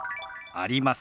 「あります」。